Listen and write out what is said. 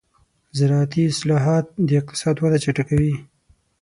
زراعتي اصلاحات د اقتصاد وده چټکوي.